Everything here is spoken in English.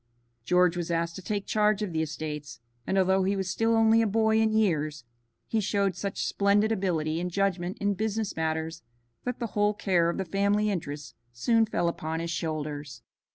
George was asked to take charge of the estates, and although he was still only a boy in years he showed such splendid ability and judgment in business matters that the whole care of the family interests soon fell upon his shoulders.